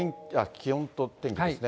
気温と天気ですね。